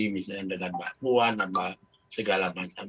misalnya dengan mbak puan sama segala macam